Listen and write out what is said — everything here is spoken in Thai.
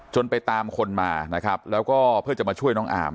ไปตามคนมานะครับแล้วก็เพื่อจะมาช่วยน้องอาม